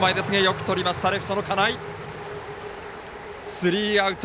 スリーアウト。